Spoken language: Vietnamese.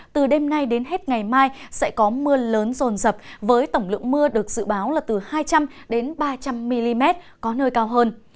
từ đêm nay đến hết ngày mai sẽ có mưa lớn rồn rập với tổng lượng mưa được dự báo là từ hai trăm linh ba trăm linh mm có nơi cao hơn